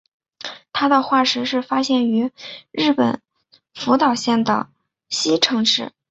它的化石是发现于日本福岛县的磐城市。